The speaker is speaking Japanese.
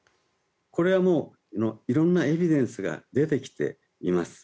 これはもう色んなエビデンスが出てきています。